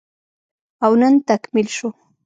او نن تکميل شو